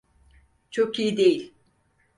Çok iyi değil.